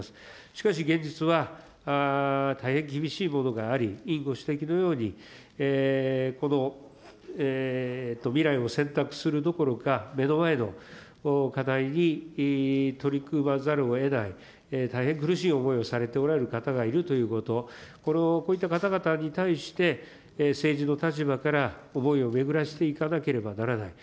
しかし現実は、大変厳しいものがあり、委員ご指摘のように、未来を選択するどころか、目の前の課題に取り組まざるをえない、大変苦しい思いをされておられる方がいるということ、こういった方々に対して、政治の立場から思いを巡らせていかなければならない。